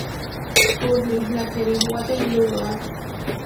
Burley la serie "Waterloo Road".